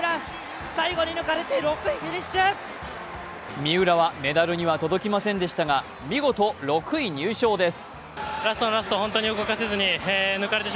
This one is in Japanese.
三浦はメダルには届きませんでしたが見事６位入賞です。